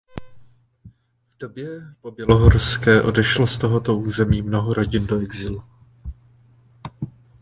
V době pobělohorské odešlo z tohoto území mnoho rodin do exilu.